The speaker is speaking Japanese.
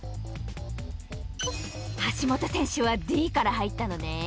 橋本選手はＤから入ったのね！